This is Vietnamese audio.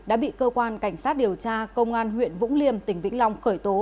đã bị cơ quan cảnh sát điều tra công an huyện vũng liêm tỉnh vĩnh long khởi tố